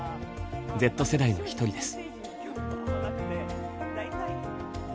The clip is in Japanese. Ｚ世代の一人です。